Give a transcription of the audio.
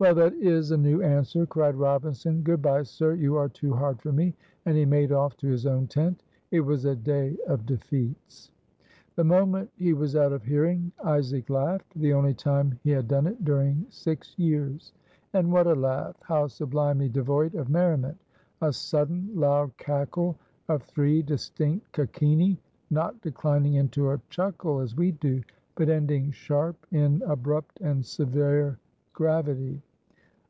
"Well, that is a new answer," cried Robinson. "Good by, sir, you are too hard for me;" and he made off to his own tent. It was a day of defeats. The moment he was out of hearing, Isaac laughed. The only time he had done it during six years. And what a laugh! How, sublimely devoid of merriment! a sudden loud cackle of three distinct cachinni not declining into a chuckle, as we do, but ending sharp in abrupt and severe gravity.